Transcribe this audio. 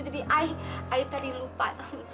jadi ayah tadi lupa